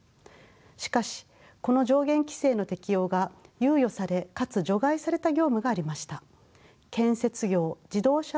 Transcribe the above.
しかしこの上限規制の適用が猶予されかつ除外された業務がありました。